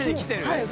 はい。